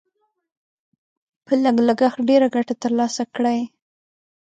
په لږ لګښت ډېره ګټه تر لاسه کړئ.